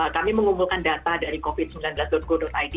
kami mengumpulkan data dari covid sembilan belas go id